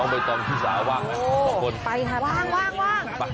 น้องไปตอนที่สาว่างไหมน้องคนไปครับว่างว่างว่าง